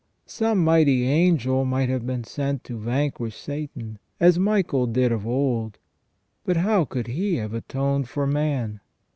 Some mighty angel might have been sent to vanquish Satan, as Michael did of old, but how could he have atoned for man?